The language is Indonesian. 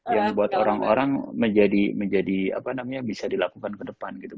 yang buat orang orang bisa dilakukan ke depan gitu